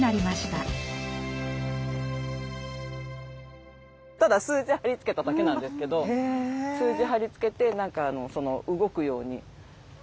ただ数字貼り付けただけなんですけど数字貼り付けて何か動くように。